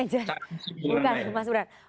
mas gibran bukan mas peruhan